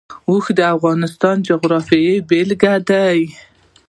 اوښ د افغانستان د جغرافیې بېلګه ده.